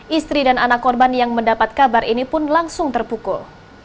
istri dan anak korban yang mendapat kabar ini pun langsung terpukul